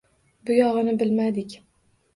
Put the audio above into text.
Bu yog`ini bilmadik